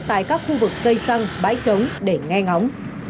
tại các khu vực cây xăng bãi trống để nghe ngóng